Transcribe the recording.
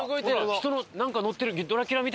人のなんか乗ってる。